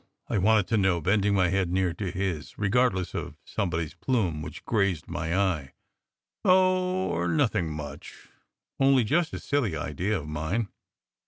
I wanted to know, bending my head near to his, regardless of somebody s plume which grazed my eye. "Oh er, nothing much. Only just a silly idea of mine."